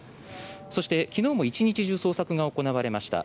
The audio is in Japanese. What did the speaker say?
そして昨日も１日中捜索が行われました。